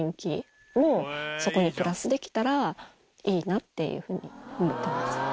できたらいいなっていうふうに思ってます。